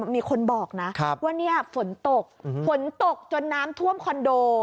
มีคนบอกนะว่าเนี่ยฝนตกฝนตกจนน้ำท่วมคอนโด